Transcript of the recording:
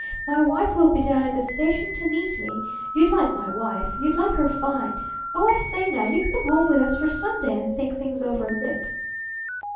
My wife will be down at the station to meet me. You'd like my wife. You'd like her fine! Oh, I say now, you come home with us for Sunday, and think things over a bit."